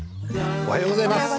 おはようございます。